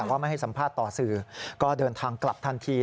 ว่าไม่ให้สัมภาษณ์ต่อสื่อก็เดินทางกลับทันที